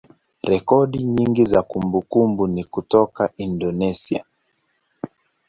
rekodi nyingi za kumbukumbu ni kutoka Indonesia.